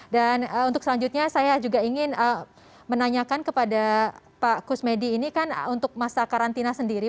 dan untuk selanjutnya saya juga ingin menanyakan kepada pak kusmedi ini kan untuk masa karantina sendiri